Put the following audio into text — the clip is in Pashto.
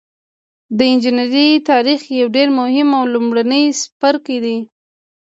د انجنیری تاریخ یو ډیر مهم او لومړنی څپرکی دی.